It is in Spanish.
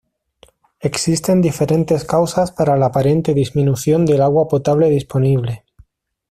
Existen diferentes causas para la aparente disminución del agua potable disponible.